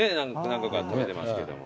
何度か食べてますけども。